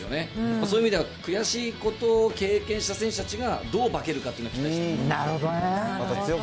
そういう意味では、悔しいことを経験した選手たちがどう化けるかというのを期待したなるほどね。